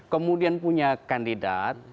kemudian punya kandidat